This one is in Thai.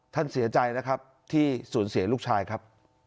เสียใจนะครับที่สูญเสียลูกชายครับ